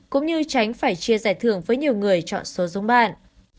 cũng như tránh phải chia giải thưởng với nhiều người chọn số giống bạn